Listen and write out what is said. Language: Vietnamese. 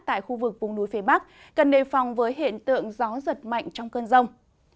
tại khu vực vùng núi phía bắc cần đề phòng với hiện tượng gió giật mạnh trong cơn rông